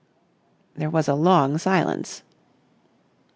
There was a long silence.